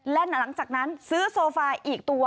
และหลังจากนั้นซื้อโซฟาอีกตัว